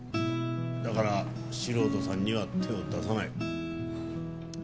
だから素人さんには手を出さない。